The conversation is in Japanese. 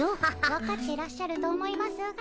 分かってらっしゃると思いますが。